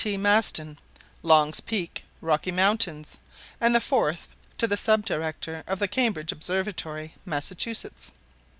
T. Maston, Long's Peak, Rocky Mountains; and the fourth to the sub director of the Cambridge Observatory, Massachusetts.